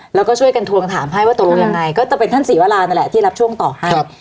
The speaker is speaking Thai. แล้วก็ช่วยกันทวงถามให้ว่าตกลงยังไงก็จะเป็นท่านศรีวรานั่นแหละที่รับช่วงต่อให้